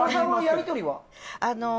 やり取りは？